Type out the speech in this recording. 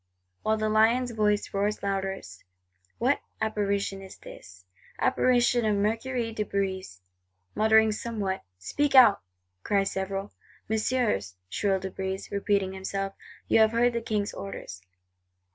while the lion's voice roars loudest, what Apparition is this? Apparition of Mercurius de Brézé, muttering somewhat!—'Speak out,' cry several.—'Messieurs,' shrills De Brézé, repeating himself, 'You have heard the King's orders!